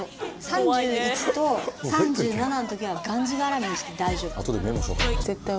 ３１と３７のときはがんじがらめにして大丈夫。